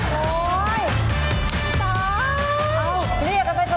กลัวคนดูเขาไม่เชื่อ